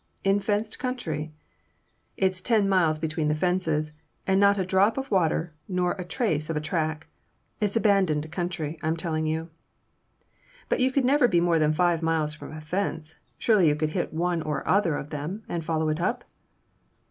"In fenced country?" "It's ten miles between the fences, and not a drop of water, nor the trace of a track. It's abandoned country, I'm telling you." "But you could never be more than five miles from a fence; surely you could hit one or other of them and follow it up?"